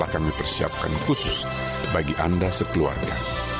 yang telah kami persiapkan khusus bagi anda sekeluarga